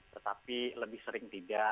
tetapi lebih sering tidak